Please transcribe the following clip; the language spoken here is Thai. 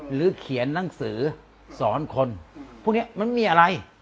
หรือเขียนนังสือสอนคนพวกนี้มันไม่มีอะไร